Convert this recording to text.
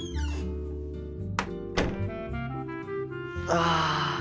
ああ。